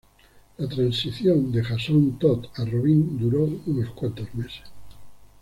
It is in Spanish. La transición de Jason Todd a Robin duró unos cuantos meses.